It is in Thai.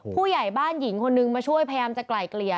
ผู้ใหญ่บ้านหญิงคนนึงมาช่วยพยายามจะไกล่เกลี่ย